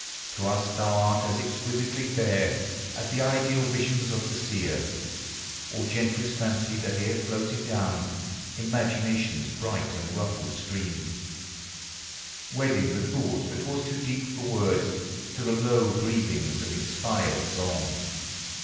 To us thou art as exquisitely fair As the ideal visions of the seer, Or gentlest fancy that e'er floated down Imagination's bright, unruffled stream, Wedding the thought that was too deep for words To the low breathings of inspired song.